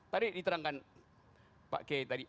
tadi diterangkan pak kiai tadi